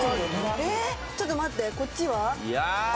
ええちょっと待ってこっちは？